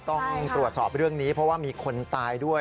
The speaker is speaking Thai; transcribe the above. ต้องตรวจสอบเรื่องนี้เพราะว่ามีคนตายด้วย